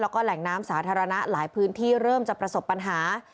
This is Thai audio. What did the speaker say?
แล้วก็แหล่งน้ำสาธารณะหลายพื้นที่เริ่มจะประสบปัญหา